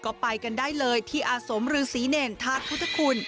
ก็ไปกันได้เลยที่อาสมฤษีเนรธาตุพุทธคุณ